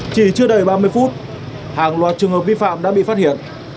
chỉ chưa đầy ba mươi phút hàng loạt trường hợp vi phạm đã bị phát hiện